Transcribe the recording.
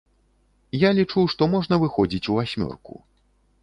Я лічу, што можна выходзіць у васьмёрку.